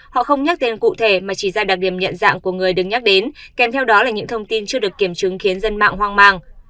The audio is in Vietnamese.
họ không nhắc tên cụ thể mà chỉ ra đặc điểm nhận dạng của người đứng nhắc đến kèm theo đó là những thông tin chưa được kiểm chứng khiến dân mạng hoang mang